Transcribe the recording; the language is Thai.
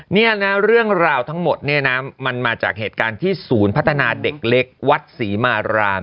นี่นะเรื่องราวทั้งหมดเนี่ยนะมันมาจากเหตุการณ์ที่ศูนย์พัฒนาเด็กเล็กวัดศรีมาราม